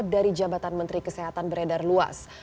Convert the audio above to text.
dari jabatan menteri kesehatan beredar luas